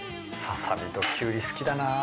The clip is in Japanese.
ささみときゅうり好きだな。